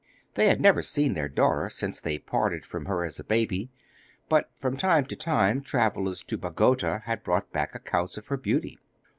They had never seen their daughter since they parted from her as a baby, but from time to time travellers to Bagota had brought back accounts of her beauty.